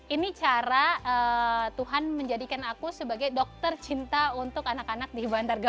ini cara tuhan menjadikan aku sebagai dokter cinta untuk anak anak di bandar gato